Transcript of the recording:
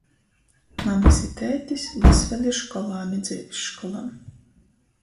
Mamys i tētis vys vēļ ir školāni "dzeivis školā".